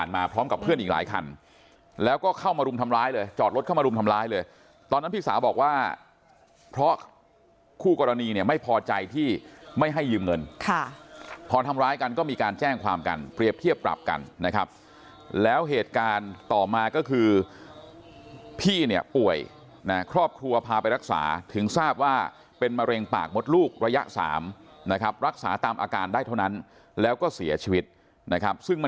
มารุมทำร้ายเลยตอนนั้นพี่สาวบอกว่าเพราะคู่กรณีเนี่ยไม่พอใจที่ไม่ให้ยืมเงินพอทำร้ายกันก็มีการแจ้งความกันเปรียบเทียบปรับกันนะครับแล้วเหตุการณ์ต่อมาก็คือพี่เนี่ยป่วยครอบครัวพาไปรักษาถึงทราบว่าเป็นมะเร็งปากมดลูกระยะ๓นะครับรักษาตามอาการได้เท่านั้นแล้วก็เสียชีวิตนะครับซึ่งมั